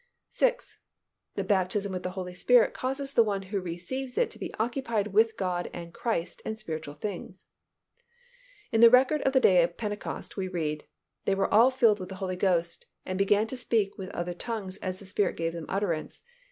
6. The baptism with the Holy Spirit causes the one who receives it to be occupied with God and Christ and spiritual things. In the record of the day of Pentecost, we read, "They were all filled with the Holy Ghost and began to speak with other tongues as the Spirit gave them utterance.